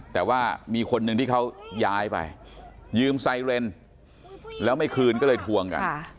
แต่ว่ามีคนหนึ่งที่เขาย้ายไปยืมไซเรนแล้วไม่คืนก็เลยทวงกัน